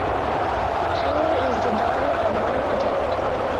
Taylor is the daughter of an architect.